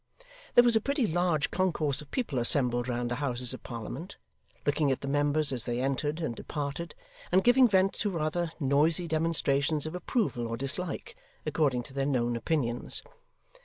There was a pretty large concourse of people assembled round the Houses of Parliament, looking at the members as they entered and departed, and giving vent to rather noisy demonstrations of approval or dislike, according to their known opinions.